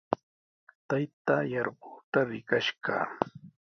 Taytaa yarquqta rikash kaa.